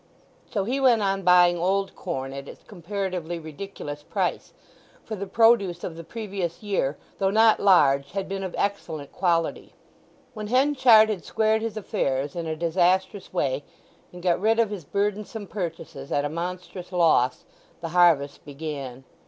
So he went on buying old corn at its comparatively ridiculous price: for the produce of the previous year, though not large, had been of excellent quality. When Henchard had squared his affairs in a disastrous way, and got rid of his burdensome purchases at a monstrous loss, the harvest began.